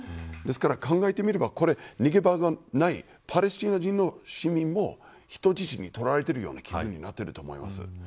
考えてみれば逃げ場がないパレスチナ市民も人質に取られているような気分になっていると思います。